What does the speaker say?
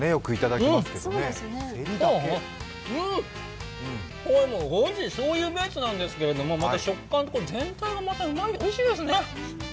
うん、これもおいしい、しょうゆベースなんですけれどもまた食感と全体がおいしいですね。